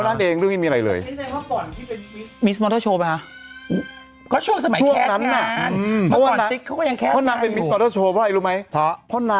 หรือว่ายุท